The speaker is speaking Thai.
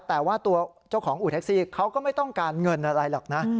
แต่ว่าตัวเจ้าของอู่แท็กซี่เขาก็ไม่ต้องการเงินอะไรหรอกนะ